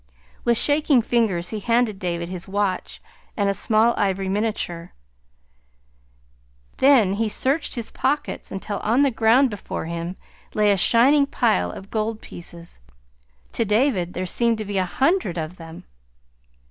With shaking fingers he handed David his watch and a small ivory miniature. Then he searched his pockets until on the ground before him lay a shining pile of gold pieces to David there seemed to be a hundred of them.